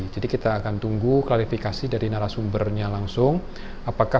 jadi kita akan tunggu klarifikasi dari narasumbernya langsung dan kemudian kita akan mencari tahu apa yang terjadi